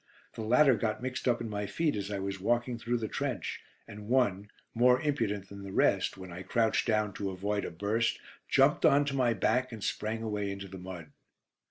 The latter got mixed up in my feet as I was walking through the trench, and one, more impudent than the rest, when I crouched down to avoid a burst, jumped on to my back and sprang away into the mud.